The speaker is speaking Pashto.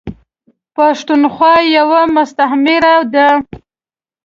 پښتونخوا یوه مستعمیره ده .